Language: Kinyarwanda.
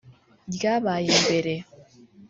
ryabaye mbere